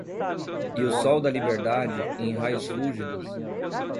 E o sol da Liberdade, em raios fúlgidos